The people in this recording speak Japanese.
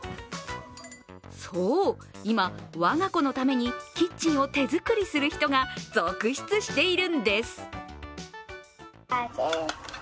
そう、今、我が子のためにキッチンを手作りする人が続出しているんです。